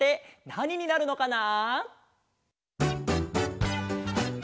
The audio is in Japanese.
なにになるのかな？